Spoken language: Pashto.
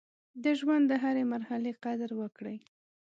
د ژوند د هرې مرحلې قدر وکړئ.